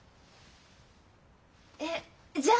えっじゃあ！